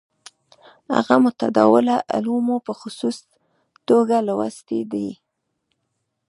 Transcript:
هغه متداوله علوم په خصوصي توګه لوستي دي.